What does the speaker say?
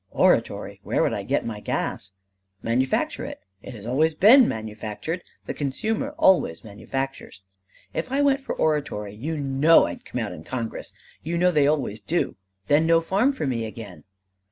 "Oratory where would I get my gas?" "Manufacture it. It always has to be manufactured. The consumer always manufactures." "If I went in for oratory, you know I'd come out in Congress; you know they always do: then no farm for me again."